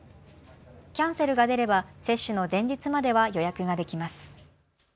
キャンセルが出れば接種の前日までは予約ができます。